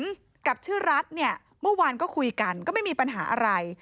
ส่วนคนที่ชื่อปุ๋มกับชื่อรัทเนี่ยเมื่อวานก็คุยกันก็ไม่มีปัญหาอะไร